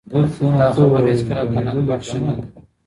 دا خبره هیڅکله قناعت بخشه نه ده.